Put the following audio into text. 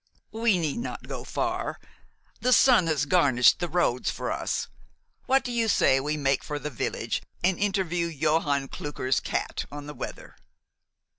"We need not go far. The sun has garnished the roads for us. What do you say if we make for the village, and interview Johann Klucker's cat on the weather?"